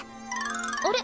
あれ？